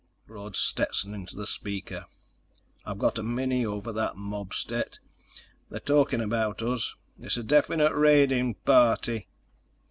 roared Stetson into the speaker. "I've got a mini over that mob, Stet. They're talking about us. It's a definite raiding party."